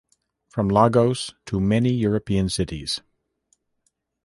From Lagos to many European cities.